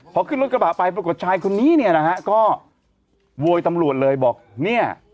พอขึ้นรถกระบะไปปรากฏชายคนนี้เนี่ยนะฮะก็โวยตำรวจเลยบอกเนี่ย